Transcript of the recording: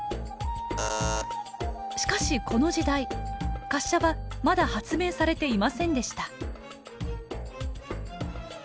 しかしこの時代滑車はまだ発明されていませんでした。